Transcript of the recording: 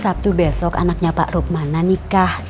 sabtu besok anaknya pak rukmana nikah